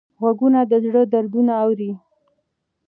غوږونه د زړه دردونه اوري